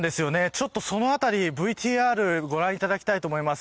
ちょっとそのあたり、ＶＴＲをご覧いただきたいと思います。